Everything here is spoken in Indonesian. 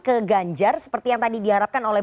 ke ganjar seperti yang tadi diharapkan oleh